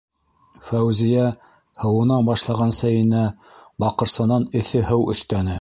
- Фәүзиә һыуына башлаған сәйенә баҡырсанан эҫе һыу өҫтәне.